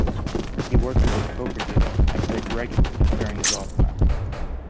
He worked as a poker dealer and played regularly during his off time.